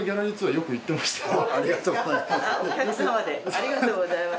ありがとうございます。